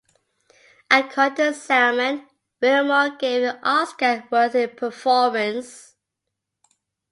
According to Selman, Wilmore gave an Oscar-worthy performance.